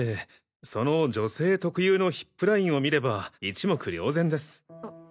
その女性特有のヒップラインを見れば一目瞭然です。